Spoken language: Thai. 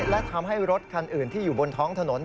และทำให้รถคันอื่นที่อยู่บนท้องถนน